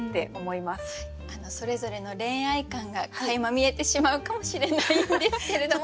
それぞれの恋愛観がかいま見えてしまうかもしれないんですけれども。